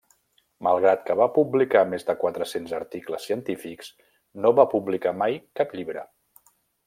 Malgrat que va publicar més de quatre-cents articles científics, no va publicar mai cap llibre.